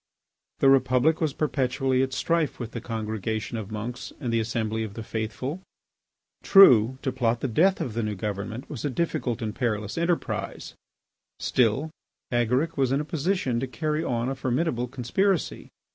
The Republic was perpetually at strife with the congregation of monks and the assembly of the faithful. True, to plot the death of the new government was a difficult and perilous enterprise. Still, Agaric was in a position to carry on a formidable conspiracy.